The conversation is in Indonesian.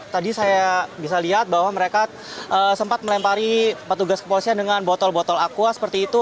tadi saya bisa lihat bahwa mereka sempat melempari petugas kepolisian dengan botol botol aqua seperti itu